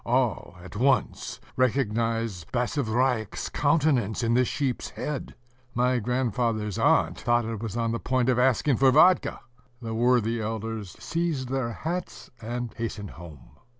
All, at once, recognized Basavriuk's countenance in the sheep's head: my grandfather's aunt thought it was on the point of asking for vodka. ... The worthy elders seized their hats, and hastened home.